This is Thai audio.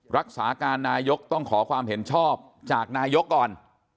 รักษาการนายกต้องขอความเห็นชอบจากนายกก่อน